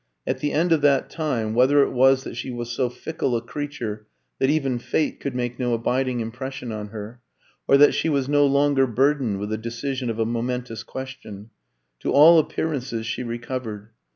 At the end of that time whether it was that she was so fickle a creature that even Fate could make no abiding impression on her, or that she was no longer burdened with the decision of a momentous question to all appearances she recovered.